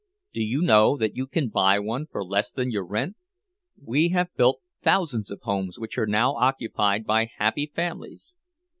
Do you know that you can buy one for less than your rent? We have built thousands of homes which are now occupied by happy families."